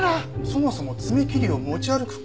そもそも爪切りを持ち歩く